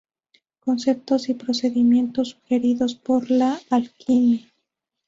Conceptos y procedimientos sugeridos por la alquimia.